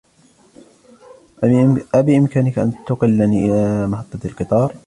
أبإمكانك أن تقلني إلى محطة القطار ؟